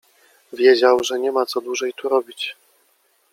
Wiedział, że nie ma co dłużej tu robić.